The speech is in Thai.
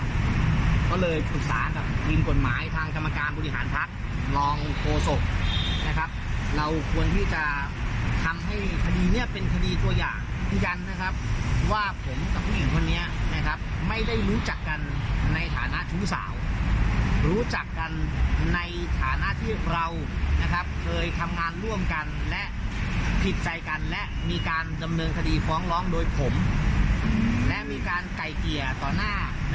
ก็เลยปรึกษากับทีมกฎหมายทางกรรมการบริหารพักรองโฆษกนะครับเราควรที่จะทำให้คดีนี้เป็นคดีตัวอย่างยืนยันนะครับว่าผมกับผู้หญิงคนนี้นะครับไม่ได้รู้จักกันในฐานะชู้สาวรู้จักกันในฐานะที่เรานะครับเคยทำงานร่วมกันและผิดใจกันและมีการดำเนินคดีฟ้องร้องโดยผมและมีการไกลเกลี่ยต่อหน้า